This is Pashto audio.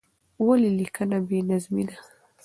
ولې لیکنه بې نظمې ده؟